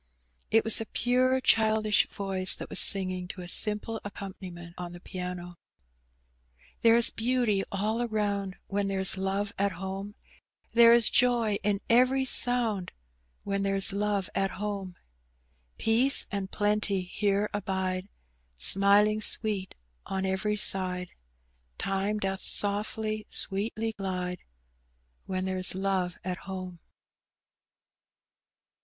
It was a pure childish voice that was singing to a simple accompaniment on the piano, — "There is beauty all aronnd, When there's love at home ; There is joy in every sonnd, When there's love at home. Peace and plenty here abide, SmiHng sweet on every side ; Time doth softly, sweetly glide, When there's love at home."